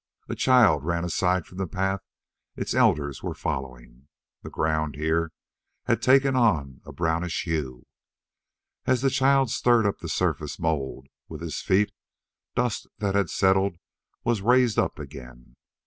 A child ran aside from the path its elders were following. The ground here had taken on a brownish hue. As the child stirred up the surface mould with his feet, dust that had settled was raised up again.